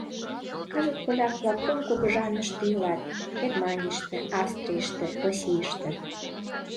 — Кызыт поляк-влак кум кугыжанышыште илат: Германийыште, Австрийыште, Российыште.